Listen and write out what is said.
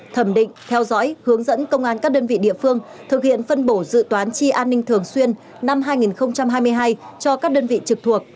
thẩm định theo dõi hướng dẫn công an các đơn vị địa phương thực hiện phân bổ dự toán chi an ninh thường xuyên năm hai nghìn hai mươi hai cho các đơn vị trực thuộc